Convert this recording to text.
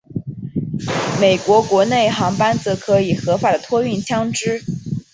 美国国内航班则可以合法的托运枪支。